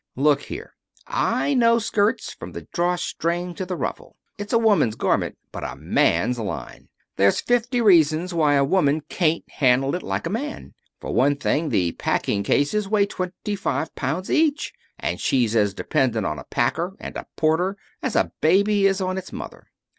Look here. I know skirts from the draw string to the ruffle. It's a woman's garment, but a man's line. There's fifty reasons why a woman can't handle it like a man. For one thing the packing cases weigh twenty five pounds each, and she's as dependent on a packer and a porter as a baby is on its mother.